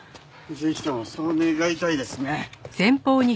ぜひともそう願いたいですね。